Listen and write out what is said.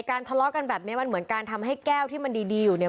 ทะเลาะกันแบบนี้มันเหมือนการทำให้แก้วที่มันดีอยู่เนี่ย